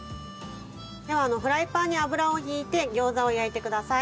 ではフライパンに油を引いて餃子を焼いてください。